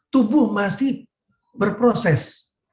tubuh masih berproses